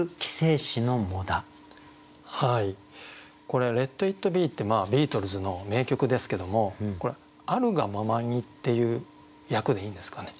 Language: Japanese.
これ「レット・イット・ビー」ってビートルズの名曲ですけどもこれ「あるがままに」っていう訳でいいんですかね？